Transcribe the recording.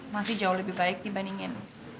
masih jauh lebih baik dibandingin